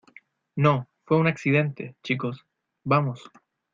No, fue un accidente , chicos. Vamos .